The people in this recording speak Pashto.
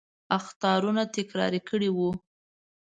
اخطارونه تکرار کړي وو.